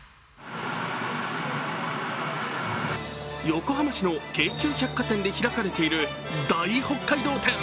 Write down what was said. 横浜市の京急百貨店で開かれている大北海道展。